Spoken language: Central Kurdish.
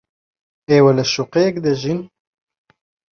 ئێوە لە شوقەیەک دەژین.